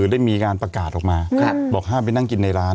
ได้มีการประกาศออกมาบอกห้ามไปนั่งกินในร้าน